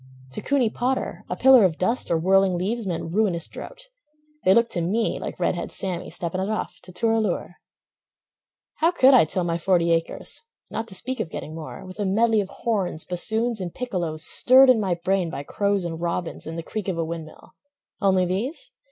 To Cooney Potter a pillar of dust Or whirling leaves meant ruinous drouth; They looked to me like Red Head Sammy Stepping it off, to "Toor a Loor." How could I till my forty acres Not to speak of getting more, With a medley of horns, bassoons and piccolos Stirred in my brain by crows and robins And the creak of a wind mill—only these?